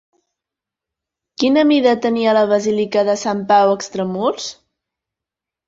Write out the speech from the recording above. Quina mida tenia la basílica de Sant Pau Extramurs?